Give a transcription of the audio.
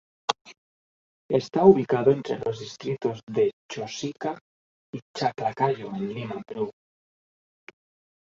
Está ubicado entre los distritos de Chosica y Chaclacayo en Lima, Perú.